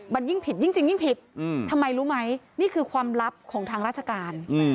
มันยิ่งผิดยิ่งจริงยิ่งผิดทำไมรู้ไหมนี่คือความลับของทางราชการ